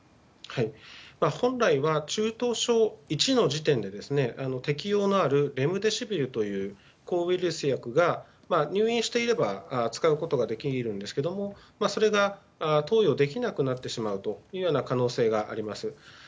本来は中等症１の時点で適用のあるレムデシビルという抗ウイルス薬が入院していれば、使うことができるんですけれどもそれが投与できなくなってしまうという可能性があります。